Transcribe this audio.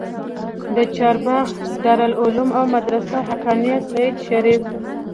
د چارباغ دارالعلوم او مدرسه حقانيه سېدو شريف